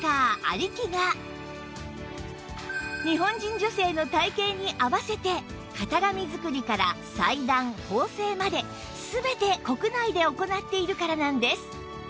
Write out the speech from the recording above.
有木が日本人女性の体形に合わせて型紙作りから裁断・縫製まで全て国内で行っているからなんです